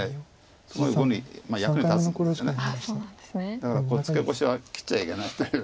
だからツケコシは切っちゃいけないという。